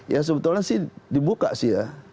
ya sebetulnya sih dibuka sih ya